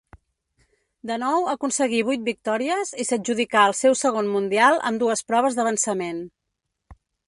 De nou aconseguí vuit victòries i s'adjudicà el seu segon Mundial amb dues proves d'avançament.